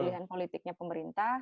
pilihan politiknya pemerintah